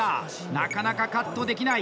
なかなかカットできない！